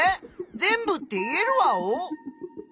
全部っていえるワオ？